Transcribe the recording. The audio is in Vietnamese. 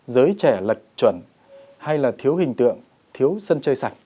giới trẻ lật chuẩn hay là thiếu hình tượng thiếu sân chơi sạch